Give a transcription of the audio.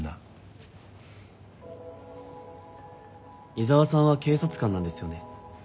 井沢さんは警察官なんですよね？